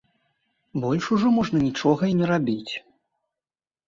Больш ужо можна нічога і не рабіць.